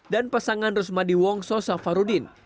dan pasangan rusmadi wongso safarudin